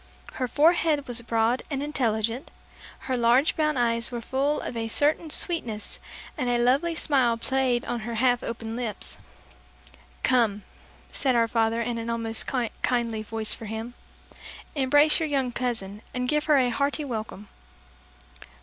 Her forehead was broad and intelligent, her large brown eyes were full of a certain sweetness, and a lovely smile played on her half opened lips. "Come," said our father in an almost kindly voice for him; "Embrace your young cousin, and give her a hearty welcome."